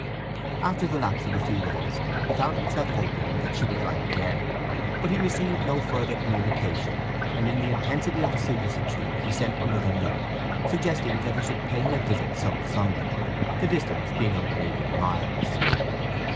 After the lapse of a few days he found himself hoping that she would write again. But he received no further communication; and in the intensity of his solicitude he sent another note, suggesting that he should pay her a visit some Sunday, the distance being under eighteen miles.